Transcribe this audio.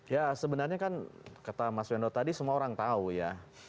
ya sebenarnya kan kata mas wendo tadi semua orang tahu ya